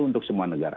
untuk semua negara